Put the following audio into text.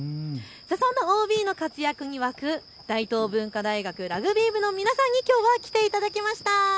そんなＯＢの活躍に沸く大東文化大学ラグビー部の皆さんにきょうは来ていただきました。